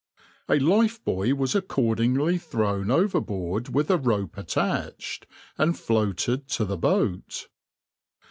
A lifebuoy was accordingly thrown overboard with a rope attached, and floated to the boat.